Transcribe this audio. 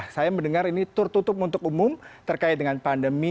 saya mendengar ini tertutup untuk umum terkait dengan pandemi